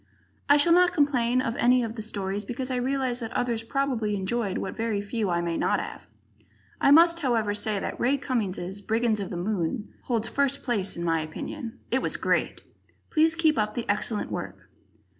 I shall not complain of any of the stories, because I realize that others probably enjoyed what very few I may not have. I must, however, say that Ray Cummings' "Brigands of the Moon" holds first place, in my opinion. It was great! Please keep up the excellent work.